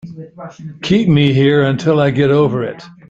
Keep me here until I get over it.